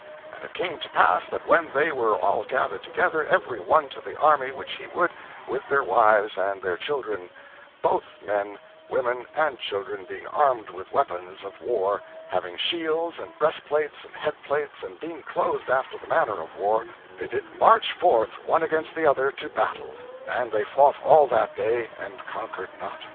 And it came to pass that when they were all gathered together, every one to the army which he would, with their wives and their children; both men, women, and children being armed with weapons of war, having shields, and breast plates, and head plates, and being clothed after the manner of war, they did march forth one against another, to battle; and they fought all that day, and conquered not.